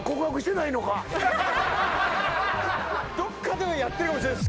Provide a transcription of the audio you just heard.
どっかではやってるかもしれないです